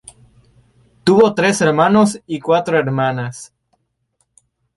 Tuvo tres hermanos y cuatro hermanas.